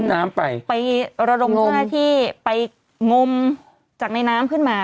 ทิ้งน้ำไปไประดมท่วะที่ไปงมจากในน้ำขึ้นมา